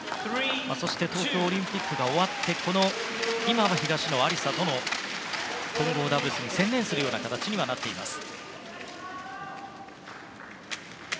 そして東京オリンピックが終わって今は東野有紗との混合ダブルスに専念する形にはなっています。